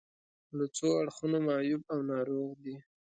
له څو اړخونو معیوب او ناروغ دي.